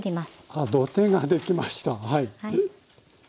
あっ土手ができましたはい。